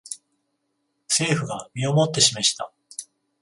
政府が身をもって示した